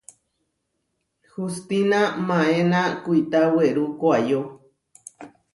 Hustína maéna kuitá werú koʼayó.